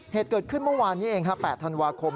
เหตุเกิดขึ้นเมื่อวานนี้เอง๘ธันวาคม